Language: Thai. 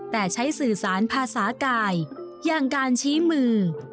แต่ใช้สื่อสารภาษากายอย่างการชี้มือ